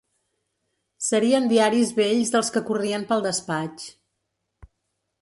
Serien diaris vells dels que corrien pel despatx